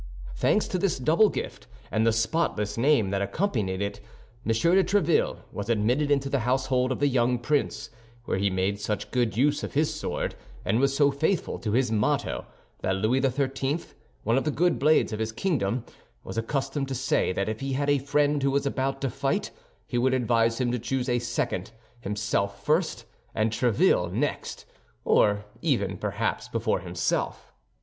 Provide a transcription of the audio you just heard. Thanks to this double gift and the spotless name that accompanied it, M. de Tréville was admitted into the household of the young prince where he made such good use of his sword, and was so faithful to his motto, that Louis XIII., one of the good blades of his kingdom, was accustomed to say that if he had a friend who was about to fight, he would advise him to choose as a second, himself first, and Tréville next—or even, perhaps, before himself.